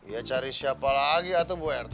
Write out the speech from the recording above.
iya cari siapa lagi atuh bu rt